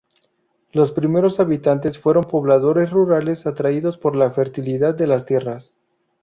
Los primeros habitantes fueron pobladores rurales atraídos por la fertilidad de las tierras.